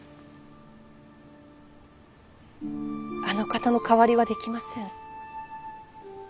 あの方の代わりはできません。